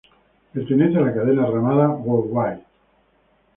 Pertenece a la cadena Ramada Worldwide.